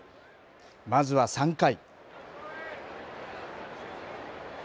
まずは３回。